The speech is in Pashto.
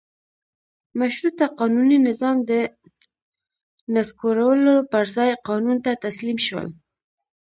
مشروطه قانوني نظام د نسکورولو پر ځای قانون ته تسلیم شول.